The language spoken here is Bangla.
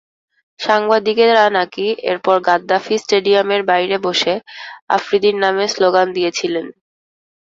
সাংবাদিকেরা নাকি এরপর গাদ্দাফি স্টেডিয়ামের বাইরে বসে আফ্রিদির নামে স্লোগান দিয়েছিলেন।